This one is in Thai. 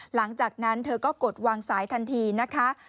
หลังจากนั้นเธอก็กดวางสายทันทีนะคะ